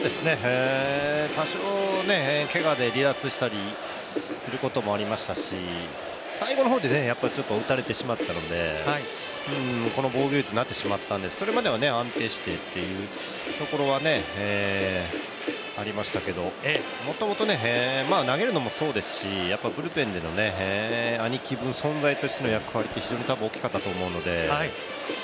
多少けがで離脱したりすることもありましたし最後の方で、ちょっと打たれてしまったのでこの防御率になってしまってそれまでは安定してというところはありましたけど、もともとね、投げるのもそうですしブルペンでの兄貴分、存在としての役割っていうのが非常に多分大きかったと思うので。